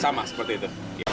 sama seperti itu